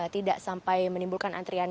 tidak sampai menimbulkan antrian